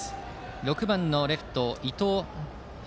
６番のレフト伊藤悠